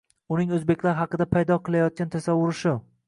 Uning oʻzbeklar haqida paydo qilayotgan tasavvuri shu.